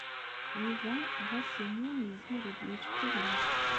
Yuba ɣas ini yezmer ad yečč kullec.